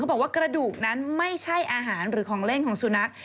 บอกว่ากระดูกนั้นไม่ใช่อาหารหรือของเล่นของสุนัข